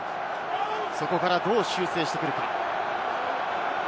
そこからどう修正してくるか？